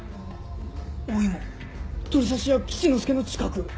鳥刺し屋吉乃助の近く。